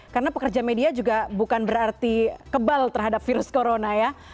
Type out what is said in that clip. karena pekerja media juga bukan berarti kebal terhadap virus corona ya